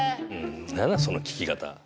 何だその聞き方。